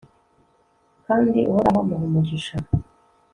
kandi uhoraho amuha umugisha